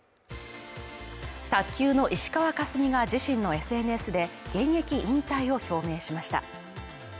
卓球の石川佳純が自身のＳＮＳで現役引退を表明しました。